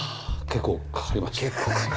結構かかります。